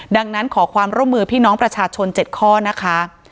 ดังนั้นขอความร่วมมือพี่น้องประชาชน๗ข้อนะคะ